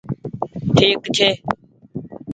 ٺيڪ ڇي۔